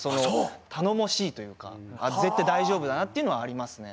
頼もしいというか絶対大丈夫だなっていうのはありますね。